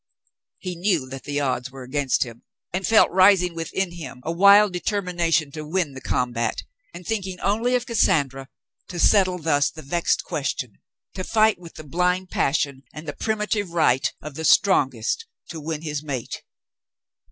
He knew that the odds were against him, and felt rising within him a wild determination to win the combat, and, thinking only of Cassandra, to settle thus the vexed question, to fight with the blind passion and the primitive right of the strongest ■ to win his mate.